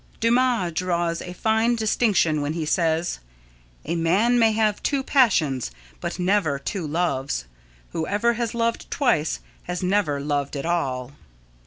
Dumas draws a fine distinction when he says: "A man may have two passions but never two loves: whoever has loved twice has never loved at all."